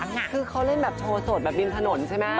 คือเขาเล่นแบบโชว์สดแบบริมถนนใช่ไหม